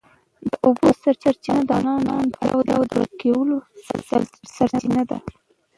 د اوبو سرچینې د افغانانو د اړتیاوو د پوره کولو وسیله ده.